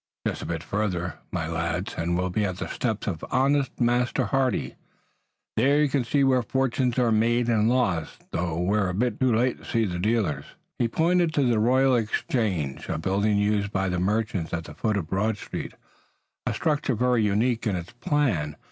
Just a bit farther, my lads, and we'll be at the steps of honest Master Hardy. There, you can see where fortunes are made and lost, though we're a bit too late to see the dealers!" He pointed to the Royal Exchange, a building used by the merchants at the foot of Broad Street, a structure very unique in its plan.